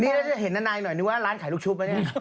นี่แล้วจะเห็นนานัยหน่อยนึกว่าร้านขายลูกชุบปะเนี่ย